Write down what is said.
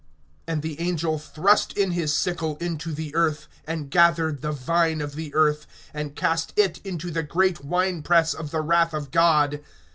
(19)And the angel thrust in his sickle into the earth, and gathered the vine of the earth, and cast it into the great wine press of the wrath of God.